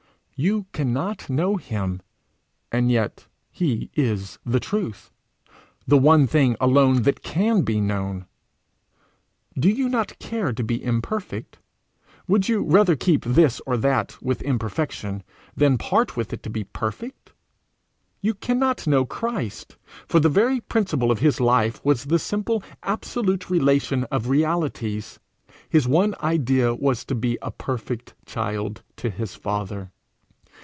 You cannot know him and yet he is the Truth, the one thing alone that can be known! Do you not care to be imperfect? would you rather keep this or that, with imperfection, than part with it to be perfect? You cannot know Christ, for the very principle of his life was the simple absolute relation of realities; his one idea was to be a perfect child to his Father.